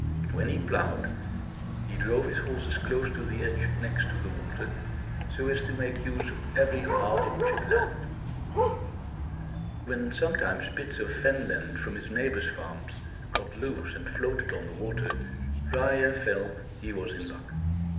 When he ploughed, he drove his horses close to the edge next to the water, so as to make use of every half inch of land. When sometimes bits of fen land, from his neighbor's farms, got loose and floated on the water, Ryer felt he was in luck.